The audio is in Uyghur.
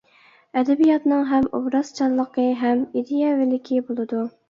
ئەدەبىياتنىڭ ھەم ئوبرازچانلىقى، ھەم ئىدىيەۋىلىكى بولىدۇ.